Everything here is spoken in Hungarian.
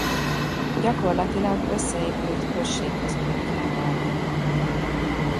Gyakorlatilag összeépült községközpontjával.